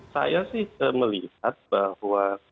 saya sih melihat bahwa